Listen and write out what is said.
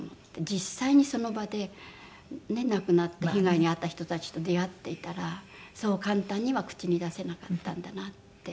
実際にその場で亡くなった被害に遭った人たちと出会っていたらそう簡単には口に出せなかったんだなって。